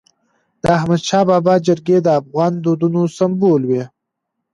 د احمدشاه بابا جرګي د افغان دودونو سمبول وي.